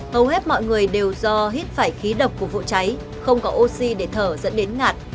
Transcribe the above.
hầu hết mọi người đều do hít phải khí độc của vụ cháy không có oxy để thở dẫn đến ngạt